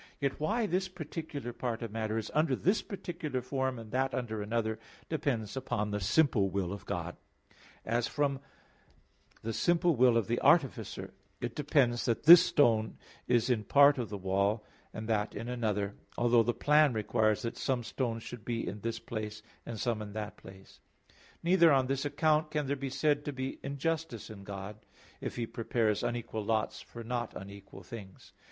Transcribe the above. Yet why this particular part of matter is under this particular form, and that under another, depends upon the simple will of God; as from the simple will of the artificer it depends that this stone is in part of the wall, and that in another; although the plan requires that some stones should be in this place, and some in that place. Neither on this account can there be said to be injustice in God, if He prepares unequal lots for not unequal things.